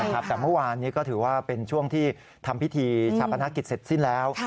แต่เมื่อวานนี้ก็ถือว่าเป็นช่วงที่ทำพิธีชาปนกิจเสร็จสิ้นแล้ว